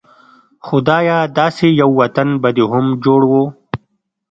خدايه داسې يو وطن به دې هم جوړ و